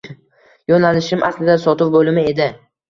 Yoʻnalishim aslida Sotuv boʻlimi edi.